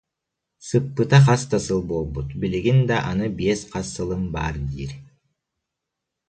Сыппыта хас да сыл буолбут, билигин да аны биэс хас сылым баар диир